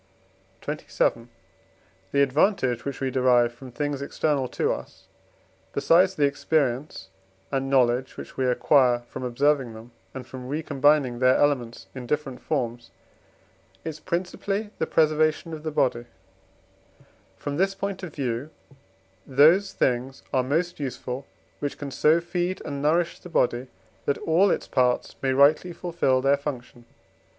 XXVII. The advantage which we derive from things external to us, besides the experience and knowledge which we acquire from observing them, and from recombining their elements in different forms, is principally the preservation of the body; from this point of view, those things are most useful which can so feed and nourish the body, that all its parts may rightly fulfil their functions.